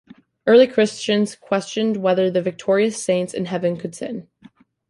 Early Christians questioned whether the victorious saints in heaven could sin.